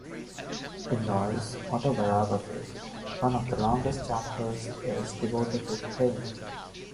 In Noyes' autobiography, one of the longest chapters is devoted to Pain.